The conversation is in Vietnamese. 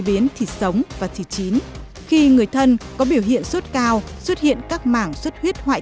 biến thịt sống và thịt chín khi người thân có biểu hiện sốt cao xuất hiện các mảng xuất huyết hoại